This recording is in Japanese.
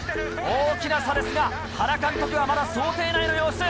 大きな差ですが原監督はまだ想定内の様子。